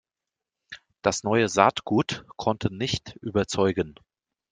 Das neue Saatgut konnte nicht überzeugen.